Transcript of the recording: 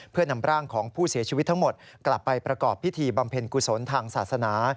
เพื่อนำร่างของผู้เสียชีวิตทั้งหมดกลับไปประกอบพิธีบำเพ็ญกุศลทางศาสนา